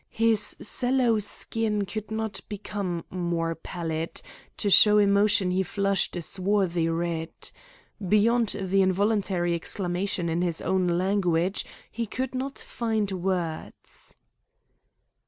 His sallow skin could not become more pallid; to show emotion he flushed a swarthy red. Beyond the involuntary exclamation in his own language, he could not find words.